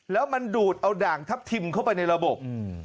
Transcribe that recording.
แล้วมันดูดเอาด่างทัพทิมเข้าไปในระบบ